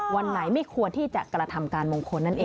วันไหนไม่ควรที่จะกระทำการมงคลนั่นเอง